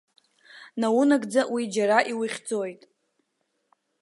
Наунагӡа, уи жьара иухьӡоит.